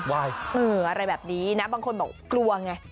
ว้ายเอออะไรแบบนี้นะบางคนแบบกลัวไง